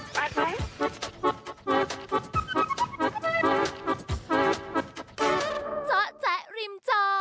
ปาท้อง